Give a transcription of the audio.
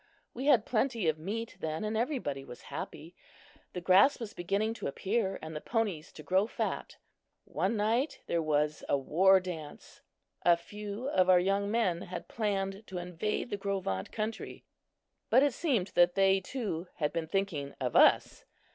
We had plenty of meat then and everybody was happy. The grass was beginning to appear and the ponies to grow fat. One night there was a war dance. A few of our young men had planned to invade the Gros Ventres country, but it seemed that they too had been thinking of us.